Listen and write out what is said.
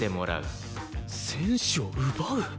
選手を奪う！？